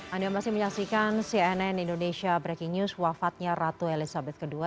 anda masih menyaksikan cnn indonesia breaking news wafatnya ratu elizabeth ii